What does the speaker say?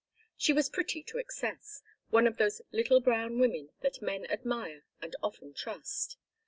She was pretty to excess, one of those little brown women that men admire and often trust.